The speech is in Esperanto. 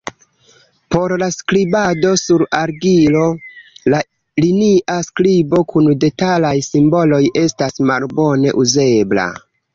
Por la skribado sur argilo, la linia skribo kun detalaj simboloj estas malbone uzebla.